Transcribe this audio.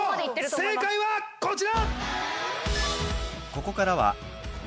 正解はこちら！